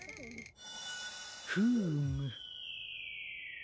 フーム。